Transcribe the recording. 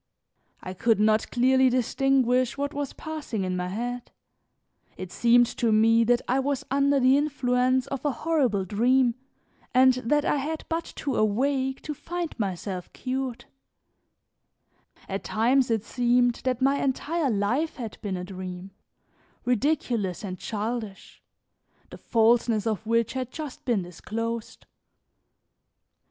I could not clearly distinguish what was passing in my head; it seemed to me that I was under the influence of a horrible dream and that I had but to awake to find myself cured; at times it seemed that my entire life had been a dream, ridiculous and childish, the falseness of which had just been disclosed.